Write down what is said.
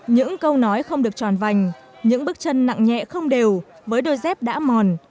những câu nói không được tròn vành những bước chân nặng nhẹ không đều với đôi dép đã mòn